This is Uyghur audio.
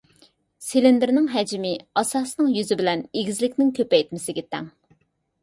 سىلىندىرنىڭ ھەجمى، ئاساسىنىڭ يۈزى بىلەن ئېگىزلىكىنىڭ كۆپەيتمىسىگە تەڭ.